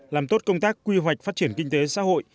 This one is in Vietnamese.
làm tốt công tác quy hoạch phát triển kinh tế xã hội